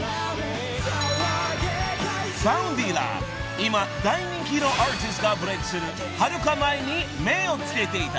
［今大人気のアーティストがブレークするはるか前に目を付けていた］